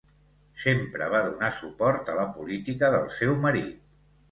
Sempre va donar suport a la política del seu marit.